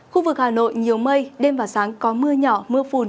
khu vực hà nội nhiều mây đêm và sáng có mưa nhỏ mưa phùn